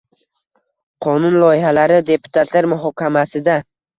Qonun loyihalari deputatlar muhokamasida